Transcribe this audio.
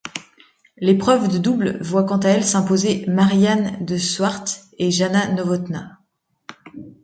L'épreuve de double voit quant à elle s'imposer Mariaan de Swardt et Jana Novotná.